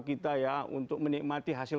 kita ya untuk menikmati hasil